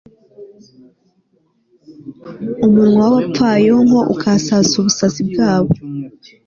umunwa w'abapfayongo ukasasa ubusazi bwabo